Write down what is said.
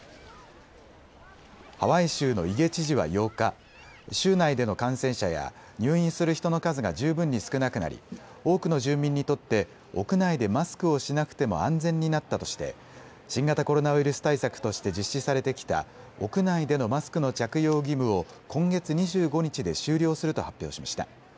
ハワイ州のイゲ知事は８日州内での感染者や入院する人の数が十分に少なくなり多くの住民にとって屋内でマスクをしなくても安全になったとして新型コロナウイルス対策として実施されてきた屋内でのマスクの着用義務を今月２５日で終了すると発表しました。